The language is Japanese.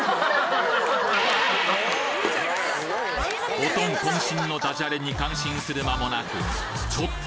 オトン渾身のダジャレに感心する間もなくちょっと！